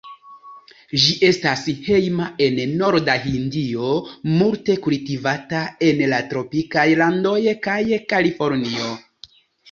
Ĝi estas hejma en Norda Hindio, multe kultivata en la tropikaj landoj kaj Kalifornio.